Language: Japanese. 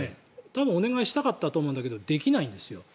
多分お願いしたかったと思うんですが、できないんです。